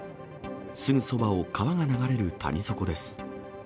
すぐそばを川が流れる谷底です。